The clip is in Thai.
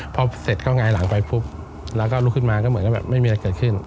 พอเสร็จก็หงายหลังไปปุ๊บแล้วก็ลุกขึ้นมาก็เหมือนกับแบบไม่มีอะไรเกิดขึ้น